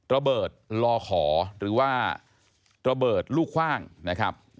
ระเบิดลอขอหรือว่าระเบิดลูกคว่างนะครับ